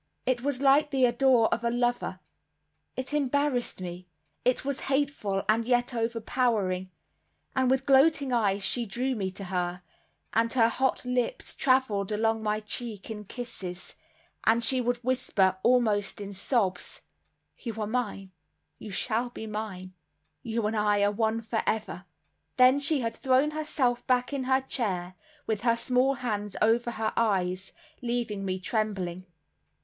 It was like the ardor of a lover; it embarrassed me; it was hateful and yet over powering; and with gloating eyes she drew me to her, and her hot lips traveled along my cheek in kisses; and she would whisper, almost in sobs, "You are mine, you shall be mine, you and I are one for ever." Then she had thrown herself back in her chair, with her small hands over her eyes, leaving me trembling.